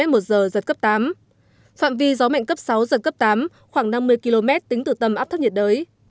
đến một mươi ba h dần cấp tám phạm vi gió mạnh cấp sáu dần cấp tám khoảng năm mươi km tính từ tầm áp thấp nhiệt đới